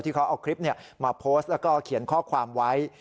เขาเอาคลิปมาโพสต์แล้วก็เขียนข้อความไว้